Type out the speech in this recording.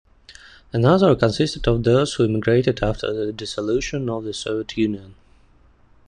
Another consisted of those who immigrated after the dissolution of the Soviet Union.